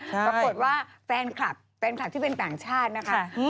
ปรากฏว่าแฟนคลับแฟนคลับที่เป็นต่างชาตินะคะ